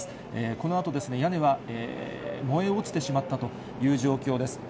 このあと、屋根は燃え落ちてしまったという状況です。